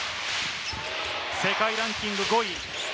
世界ランキング５位。